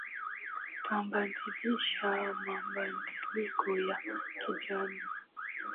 twabandilisha mabadiliko ya kijamii